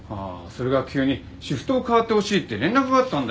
それが急にシフトを変わってほしいって連絡があったんだよ。